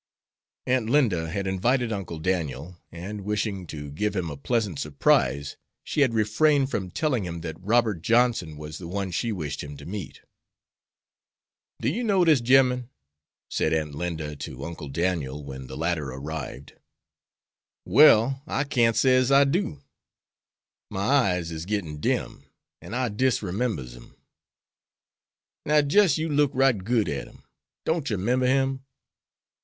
Aunt Linda had invited Uncle Daniel, and, wishing to give him a pleasant surprise, she had refrained from telling him that Robert Johnson was the one she wished him to meet. "Do you know dis gemmen?" said Aunt Linda to Uncle Daniel, when the latter arrived. "Well, I can't say's I do. My eyes is gittin dim, an I disremembers him." "Now jis' you look right good at him. Don't yer 'member him?"